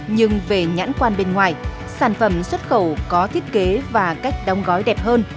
nhưng về nhãn quan bên ngoài sản phẩm xuất khẩu có thiết kế và cách đóng gói đẹp hơn